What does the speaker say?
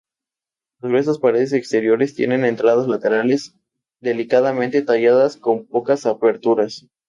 Las gruesas paredes exteriores tienen entradas laterales delicadamente talladas con pocas aberturas.